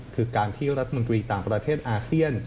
คือการที่รัฐมนตรีต่างประเทศอาเซียน